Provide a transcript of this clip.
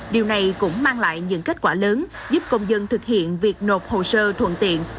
điều này cũng mang lại những kết quả lớn giúp công dân thực hiện việc nộp hồ sơ thuận tiện